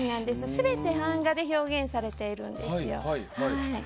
全て漫画で表現されているんですよ。